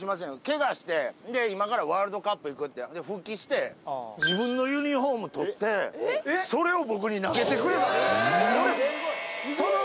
けがして今からワールドカップ行くってで復帰して自分のユニフォームとってそれを僕に投げてくれたんですよ